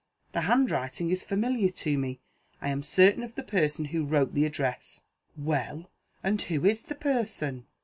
The handwriting is familiar to me; I am certain of the person who wrote the address." "Well? And who is the person?"